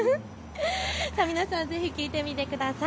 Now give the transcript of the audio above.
皆さん、ぜひ聞いてみてください。